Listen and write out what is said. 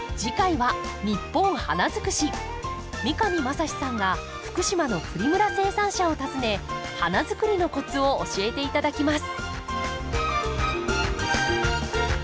三上真史さんが福島のプリムラ生産者を訪ね花づくりのコツを教えて頂きます。